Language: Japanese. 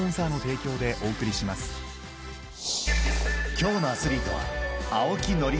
［今日のアスリートは］